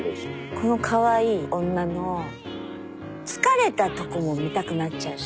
このかわいい女の疲れたとこも見たくなっちゃうし。